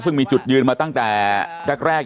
ซึ่งมีจุดยืนมาตั้งแต่แรกอยู่แล้วนะครับ